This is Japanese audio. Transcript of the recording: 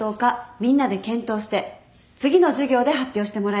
みんなで検討して次の授業で発表してもらいます。